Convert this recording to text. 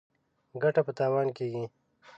ګټه په تاوان کېږي.